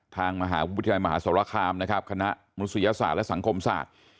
ทางมหาวิทยาลัยมหาสรคามนะครับคณะมนุษยศาสตร์และสังคมศาสตร์